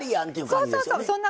そうそうそう。